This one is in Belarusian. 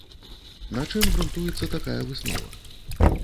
На чым грунтуецца такая выснова?